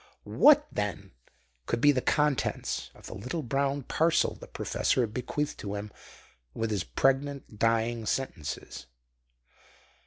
What, then, could be the contents of the little brown parcel the professor had bequeathed to him with his pregnant dying sentences?